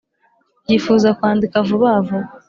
yifuza kwandika vuba vuba